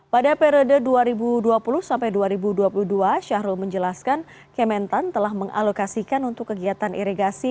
pada periode dua ribu dua puluh sampai dua ribu dua puluh dua syahrul menjelaskan kementan telah mengalokasikan untuk kegiatan irigasi